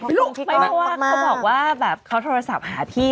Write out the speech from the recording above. เพราะว่าเขาบอกว่าแบบเขาโทรศัพท์หาพี่